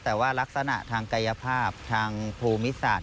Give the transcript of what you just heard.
แต่ว่ารักษณะทางกายภาพทางภูมิศาสต